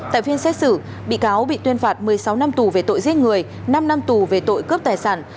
tại phiên xét xử bị cáo bị tuyên phạt một mươi sáu năm tù về tội giết người năm năm tù về tội cướp tài sản